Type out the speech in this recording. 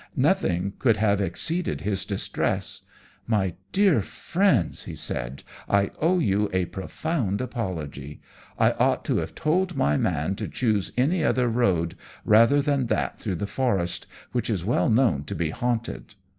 Nothing could have exceeded his distress. "My dear friends!" he said, "I owe you a profound apology. I ought to have told my man to choose any other road rather than that through the forest, which is well known to be haunted.